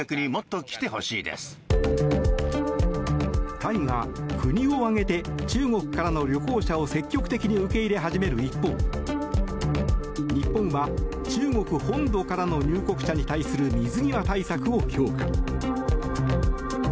タイが国を挙げて中国からの旅行者を積極的に受け入れ始める一方日本は中国本土からの入国者に対する水際対策を強化。